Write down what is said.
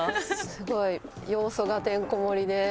すごい要素がてんこ盛りではい。